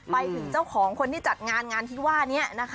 ไปถึงเจ้าของคนที่จัดงานงานที่ว่านี้นะคะ